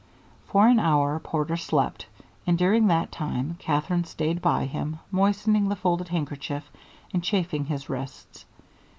For an hour Porter slept, and during that time Katherine stayed by him, moistening the folded handkerchief and chafing his wrists.